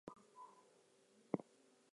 Seeing the danger, he keeps his distance.